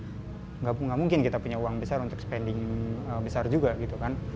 jadi kita bisa membuat uang digital yang lebih besar untuk spending besar juga gitu kan